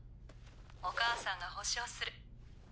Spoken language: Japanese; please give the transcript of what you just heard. お母さんが保証する。